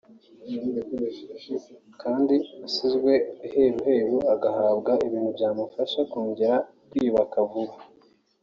kandi uwasizwe iheruheru agahabwa ibintu byamufasha kongera kwiyubaka vuba